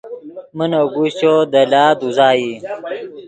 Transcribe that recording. من اگوشچو دے لاد اوزائی